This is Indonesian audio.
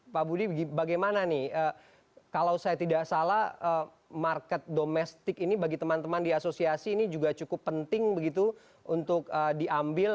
pak budi bagaimana nih kalau saya tidak salah market domestik ini bagi teman teman di asosiasi ini juga cukup penting begitu untuk diambil